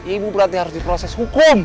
ibu berarti harus diproses hukum